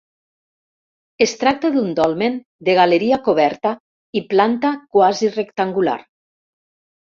Es tracta d'un dolmen de galeria coberta i planta quasi rectangular.